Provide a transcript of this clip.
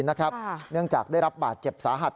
เนื่องจากได้รับบาดเจ็บสาหัส